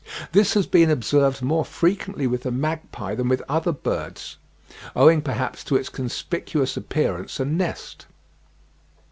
This has been observed more frequently with the magpie than with any other bird, owing perhaps to its conspicuous appearance and nest.